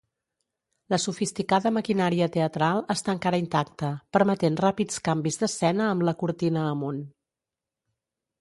La sofisticada maquinària teatral està encara intacta, permetent ràpids canvis d'escena amb la cortina amunt.